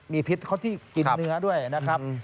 มีพิษเขาที่กินเนื้อด้วยนะครับ